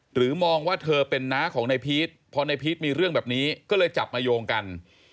มองว่าเธอเป็นน้าของนายพีชพอในพีชมีเรื่องแบบนี้ก็เลยจับมาโยงกัน